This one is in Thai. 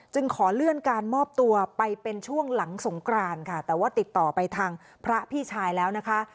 ขอเลื่อนการมอบตัวไปเป็นช่วงหลังสงกรานค่ะแต่ว่าติดต่อไปทางพระพี่ชายแล้วนะคะ